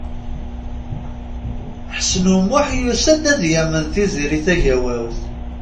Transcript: Ḥsen U Muḥ yusa-d ad yamen Tiziri Tagawawt.